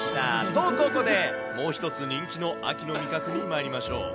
と、ここで、もう一つ、人気の秋の味覚にまいりましょう。